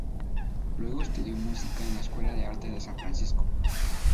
Luego estudió música en la Escuela de Artes de San Francisco.